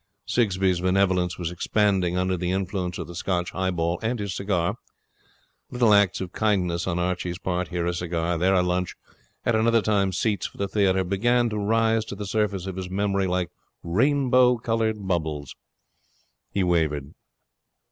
Sigsbee's benevolence was expanding under the influence of the Scotch highball and his cigar. Little acts of kindness on Archie's part, here a cigar, there a lunch, at another time seats for the theatre, began to rise to the surface of his memory like rainbow coloured bubbles. He wavered.